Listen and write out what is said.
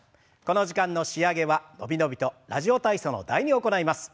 この時間の仕上げは伸び伸びと「ラジオ体操」の「第２」を行います。